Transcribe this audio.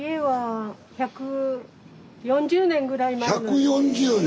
１４０年！